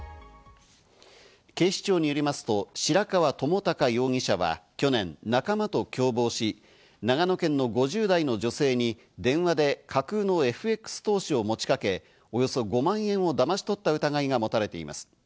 警視庁によりますと、白川朋孝容疑者は去年、仲間と共謀し、長野県の５０代の女性に電話で架空のＦＸ投資を持ちかけおよそ５万円をだまし取った疑いがもたれています。